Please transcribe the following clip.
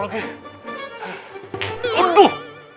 oh ini tuh